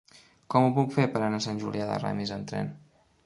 Com ho puc fer per anar a Sant Julià de Ramis amb tren?